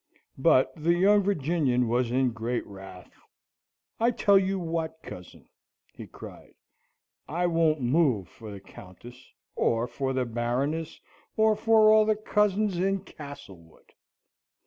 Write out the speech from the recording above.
But the young Virginian was in great wrath. "I tell you what, cousin," he cried, "I won't move for the Countess, or for the Baroness, or for all the cousins in Castlewood."